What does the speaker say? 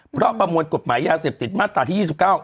เพราะประมวลกฎหมายยาเสพติดมาตราที่๒๙